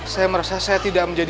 saya merasa saya tidak menjadi